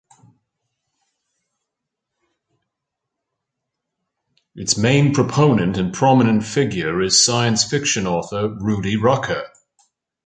Its main proponent and prominent figure is science fiction author Rudy Rucker.